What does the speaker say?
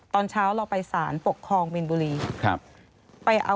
ตอนเช้าเราไปสารปกครองมีนบุรีครับ